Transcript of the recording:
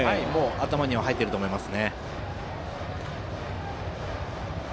頭に入っていると思います。